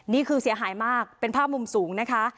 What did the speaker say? นี่คือเสียหายมากเป็นภาพมุมสูงนะคะ